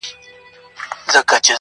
نه پر دستار یې نه پر ځیګر یې-